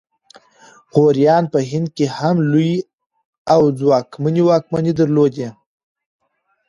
غوریانو په هند کې هم لویې او ځواکمنې واکمنۍ درلودې